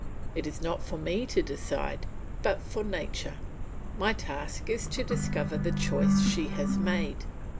It is not for me to decide, but for nature; my task is to discover the choice she has made.